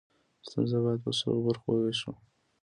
ستونزه باید په څو برخو وویشو.